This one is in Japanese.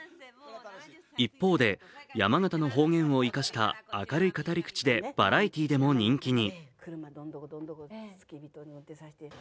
一方で山形の方言を生かした明るい語り口でバラエティーでも人気に。